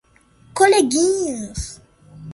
Coleguinhas